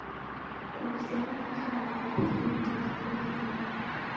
kuhusiana na hali inavyoendelea kule libya